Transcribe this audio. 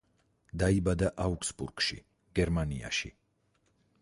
დაიბადა აუგსბურგში, გერმანიაში.